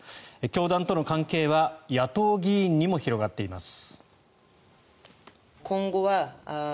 教団との関係は野党議員にも広がっています。